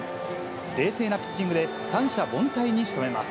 冷静なピッチングで、三者凡退にしとめます。